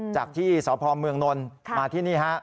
จากที่สพเมืองนลมาที่นี่